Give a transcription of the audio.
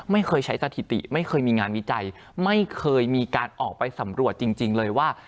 ไม่เคยใช้สถิติไม่เคยมีงานวิจัยไม่เคยมีการออกไปสำรวจจริงเลยว่า